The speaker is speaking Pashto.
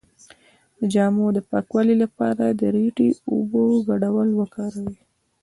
د جامو د پاکوالي لپاره د ریټې او اوبو ګډول وکاروئ